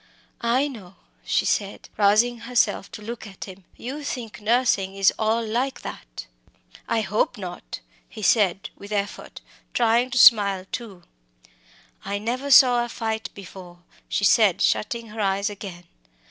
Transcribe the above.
"I know," she said, rousing herself to look at him; "you think nursing is all like that!" "I hope not!" he said, with effort, trying to smile too. "I never saw a fight before," she said, shutting her eyes again.